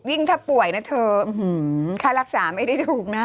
ยิ่งถ้าป่วยนะเธอเอ้าหือค่ารักษาไม่ได้ถูกนะ